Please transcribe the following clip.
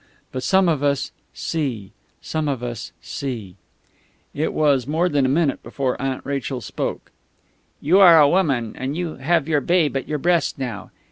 But some of us see some of us see." It was more than a minute before Aunt Rachel spoke. "You are a woman, and you have your babe at your breast now....